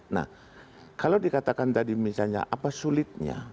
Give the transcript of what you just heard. nah kalau dikatakan tadi misalnya apa sulitnya